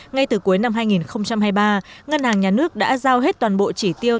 ngay từ cuối năm hai nghìn hai mươi ba ngân hàng nhà nước đã giao hết toàn bộ chỉ tiêu